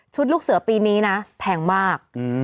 ลูกเสือปีนี้นะแพงมาก